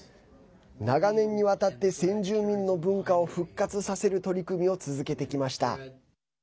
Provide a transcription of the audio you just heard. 長年にわたって先住民の文化を復活させる取り組みを続けてきました。